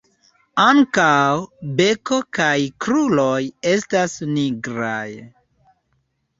Ankaŭ beko kaj kruroj estas nigraj.